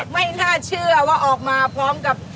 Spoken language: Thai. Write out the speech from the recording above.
ไม่น่าเชื่อว่าออกมาพร้อมกับ